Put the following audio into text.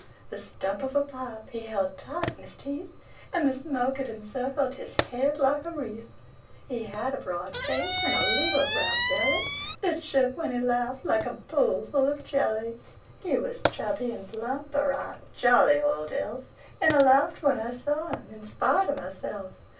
The stump of a pipe he held tight in his teeth, And the smoke it encircled his head like a wreath. He had a broad face, and a little round belly That shook, when he laughed, like a bowl full of jelly. He was chubby and plump, a right jolly old elf And I laughed when I saw him, in spite of myself.